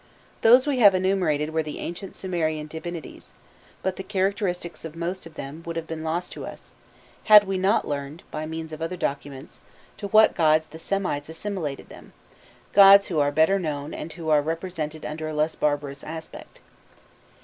Those we have enumerated were the ancient Sumerian divinities, but the characteristics of most of them would have been lost to us, had we not learned, by means of other documents, to what gods the Semites assimilated them, gods who are better known and who are represented under a less barbarous aspect.